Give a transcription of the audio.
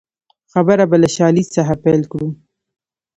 خبره به له شالید څخه پیل کړو